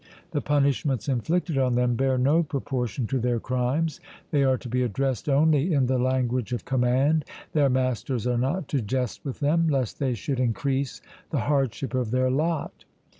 The punishments inflicted on them bear no proportion to their crimes. They are to be addressed only in the language of command. Their masters are not to jest with them, lest they should increase the hardship of their lot.